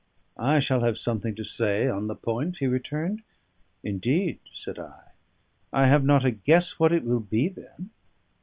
"I shall have something to say on the point," he returned. "Indeed?" said I. "I have not a guess what it will be, then."